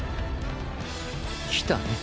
来たね